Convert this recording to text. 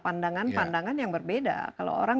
pandangan pandangan yang berbeda kalau orang